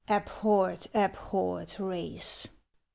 Abhorred, abhorred race